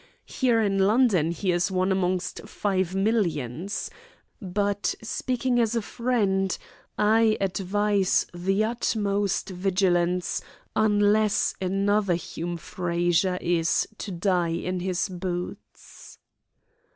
Here in London he is one among five millions. But speaking as a friend, I advise the utmost vigilance unless another Hume Frazer is to die in his boots."